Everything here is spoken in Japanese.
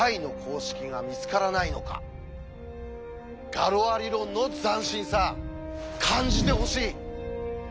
ガロア理論の斬新さ感じてほしい！